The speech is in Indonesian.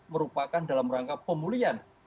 merupakan dalam rangka pemulihan